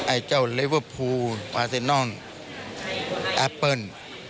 ไอ้เจ้าลิเวอร์พูลอาเซนนอนแอปเปิ้ล